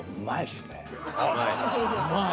うまい。